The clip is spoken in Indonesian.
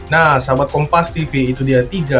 nah sahabat kompas tv itu dia tiga